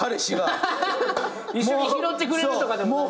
一緒に拾ってくれるとかでもなく。